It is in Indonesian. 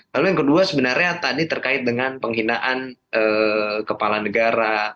lalu yang kedua sebenarnya tadi terkait dengan penghinaan kepala negara